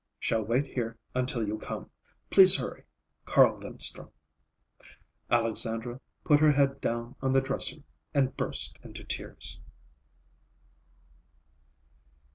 Shall wait here until you come. Please hurry. CARL LINSTRUM. Alexandra put her head down on the dresser and burst into tears.